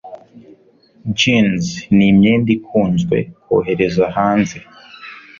Jeans ni imyenda ikunzwe kohereza hanze.